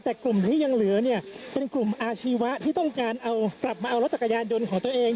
แต่กลุ่มที่ยังเหลือเนี่ยเป็นกลุ่มอาชีวะที่ต้องการเอากลับมาเอารถจักรยานยนต์ของตัวเอง